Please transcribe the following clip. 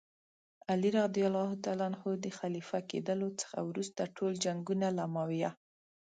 علي رض د خلیفه کېدلو څخه وروسته ټول جنګونه له معاویه.